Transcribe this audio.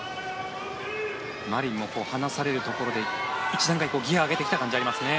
マリンも離されるところで１段階、ギアを上げてきた感じがありますね。